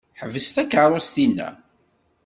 Ḥbes takeṛṛust-inna.